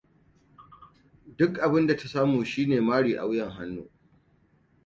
Duk abin da ta samu shine mari a wuyan hannu.